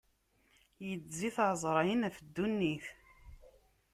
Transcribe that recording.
Iddez-it ɛezṛayen ɣef ddunit.